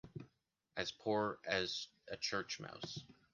As poor as a church mouse.